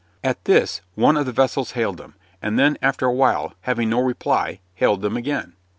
At this one of the vessels hailed them, and then after a while, having no reply, hailed them again.